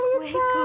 tante duduk aja